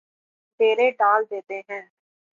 ڈیرے ڈال دیتے ہیں